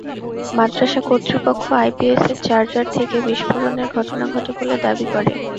মাদ্রাসা কর্তৃপক্ষ আইপিএসের চার্জার থেকে বিস্ফোরণের ঘটনা ঘটে বলে দাবি করে।